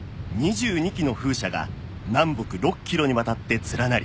２２基の風車が南北６キロにわたって連なり